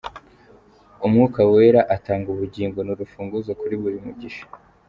Umwuka wera atanga ubugingo, ni urufunguzo kuri buri mugisha.